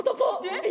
えっ。